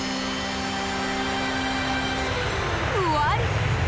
ふわり！